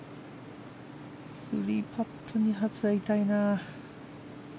３パット２発は痛いな。